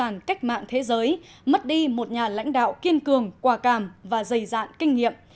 đảng cộng sản cách mạng thế giới mất đi một nhà lãnh đạo kiên cường quà càm và dày dạn kinh nghiệm